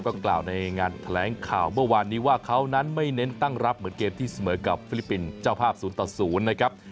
ก็กล่าวในงานแถลงข่าวเมื่อวานนี้ว่าเขานั้นไม่เน้นตั้งรับเหมือนเกมที่เสมอกับฟิลิปปินส์เจ้าภาพ๐ต่อ๐นะครับ